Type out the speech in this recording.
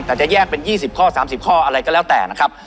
แต่จะแยกเป็น๒๐ข้อ๓๐ข้ออะไรก็แล้วแต่นะครับ